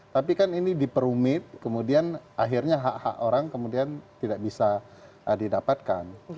tapi kan ini diperumit kemudian akhirnya hak hak orang kemudian tidak bisa didapatkan